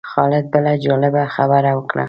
خالد بله جالبه خبره وکړه.